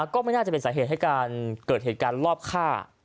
ก็ไม่น่าจะเป็นสาเหตุให้การเกิดเหตุการณ์รอบฆ่า